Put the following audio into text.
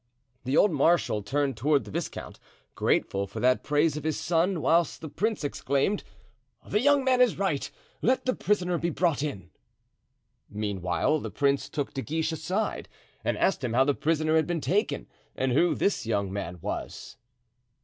The old marshal turned toward the viscount, grateful for that praise of his son, whilst the prince exclaimed: "The young man is right; let the prisoner be brought in." Meanwhile the prince took De Guiche aside and asked him how the prisoner had been taken and who this young man was.